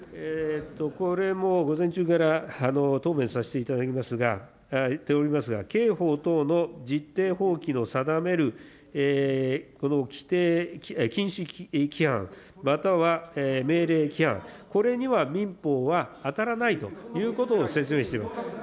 これも午前中から答弁させていただきますが、言っておりますが、刑法等の実定法規の定めるこの規定、禁止規範、または命令規範、これには民法は当たらないということを説明している。